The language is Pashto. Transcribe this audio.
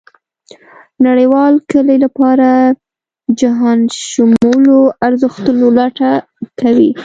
نړېوال کلي لپاره جهانشمولو ارزښتونو لټه کوي.